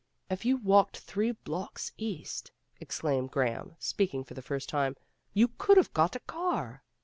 "If you'd walked three blocks east," ex claimed Graham, speaking for the first time, "you could have got a car."